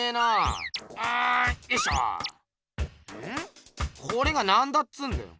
これが何だっつうんだよ？